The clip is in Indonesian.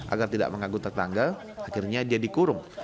agar tidak menganggut tetangga akhirnya dia dikurung